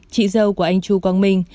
chị dâu của anh chu quang minh